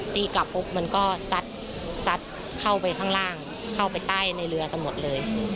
ตีกลับปุ๊บมันก็ซัดเข้าไปข้างล่างเข้าไปใต้ในเรือกันหมดเลย